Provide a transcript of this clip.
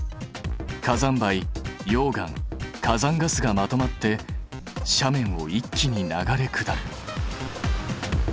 火山灰溶岩火山ガスがまとまって斜面を一気に流れ下る。